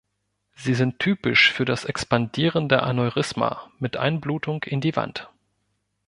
Sie sind typisch für das expandierende Aneurysma mit Einblutung in die Wand.